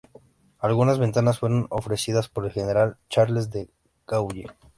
Algunas ventanas fueron ofrecidas por el general Charles de Gaulle.